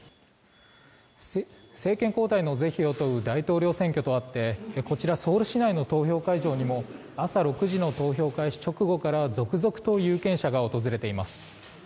政権交代の是非を問う大統領選挙とあってこちらソウル市内の投票会場にも朝６時の投票開始直後から続々と有権者が訪れています。